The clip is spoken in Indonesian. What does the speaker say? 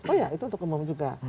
oh ya itu untuk umum juga